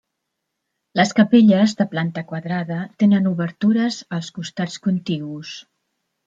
Les capelles, de planta quadrada, tenen obertures als costats contigus.